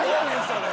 それ！